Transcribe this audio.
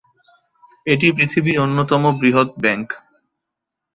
এটি পৃথিবীর অন্যতম বৃহৎ ব্যাংক।